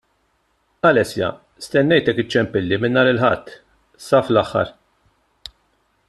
Alessia, stennejtek iċċempilli minn nhar il-Ħadd, sa fl-aħħar!